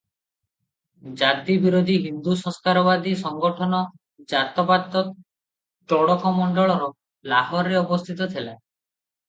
"ଜାତି ବିରୋଧୀ ହିନ୍ଦୁ ସଂସ୍କାରବାଦୀ ସଂଗଠନ "ଜାତ-ପାତ ତୋଡ଼କ ମଣ୍ଡଳ"ର ଲାହୋରରେ ଅବସ୍ଥିତ ଥିଲା ।"